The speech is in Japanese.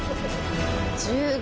１５。